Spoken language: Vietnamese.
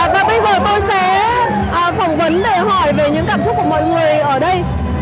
và bây giờ tôi sẽ phỏng vấn để hỏi về những cảm xúc của mọi người ở đây